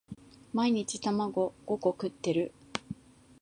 毎日卵五個食ってる？